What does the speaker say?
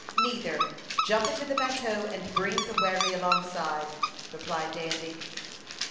"Neither; jump into the bateau, and bring the wherry alongside," replied Dandy.